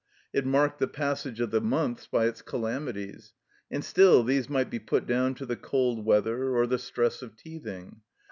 It marked the passage of the months by its calamities ; and still these might be put down to the cold weather or the stress of teething.